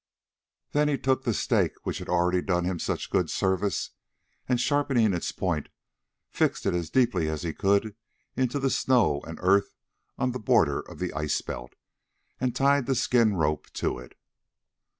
Then he took the stake which had already done him such good service, and, sharpening its point, fixed it as deeply as he could into the snow and earth on the border of the ice belt, and tied the skin rope to it.